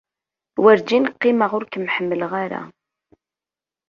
Werǧin qqimeɣ ur kem-ḥemmleɣ ara.